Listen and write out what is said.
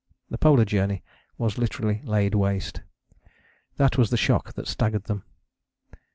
The Polar Journey was literally laid waste: that was the shock that staggered them.